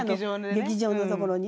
劇場の所にね。